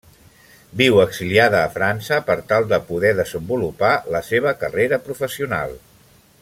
Viu exiliada a França per tal de poder desenvolupar la seva carrera professional.